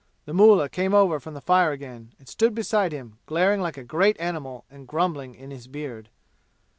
The mullah came over from the fire again and stood beside him, glaring like a great animal and grumbling in his beard.